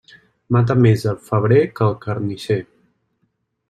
Mata més el febrer que el carnisser.